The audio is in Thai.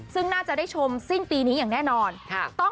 ซึ่งน่าจะได้ชมสิ้นปีนี้อย่างแน่นอน